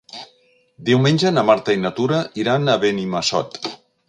Diumenge na Marta i na Tura iran a Benimassot.